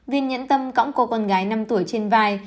viên nhẫn tâm cõng cô con gái năm tuổi trên vai